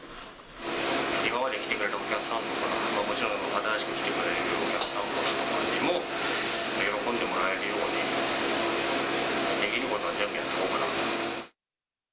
今まで来てくれたお客さんとか、もちろん新しく来てくれるお客さんも喜んでもらえるように、できることは全部やっていこうかなと。